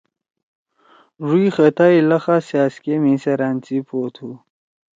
ڙُوئں خطا ہی لخا سأزکے مھی سیرأن سی پو تُھو۔